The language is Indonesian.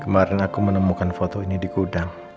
kemarin aku menemukan foto ini di gudang